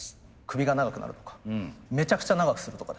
首が長くなるとかめちゃくちゃ長くするとかです。